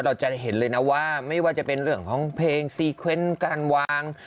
เราจะเห็นเลยนะว่าไม่ว่าจะเป็นเรื่องของเพลงซีเคเว้นการวาง